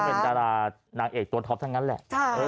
เป็นดารานางเอกตัวท็อปทั้งนั้นแหละ